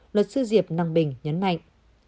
luật sư diệp năng bình nhấn mạnh